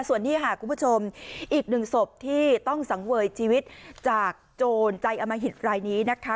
ส่วนนี้ค่ะคุณผู้ชมอีกหนึ่งศพที่ต้องสังเวยชีวิตจากโจรใจอมหิตรายนี้นะคะ